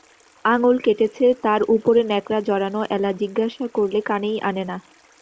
আঙুল কেটেছে, তার উপরে ন্যাকড়া জড়ানো, এলা জিজ্ঞাসা করলে কানেই আনে না।